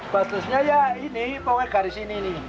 patusnya ya ini pokoknya garis ini ini